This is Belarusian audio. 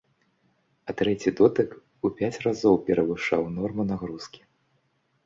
А трэці дотык у пяць разоў перавышаў норму нагрузкі.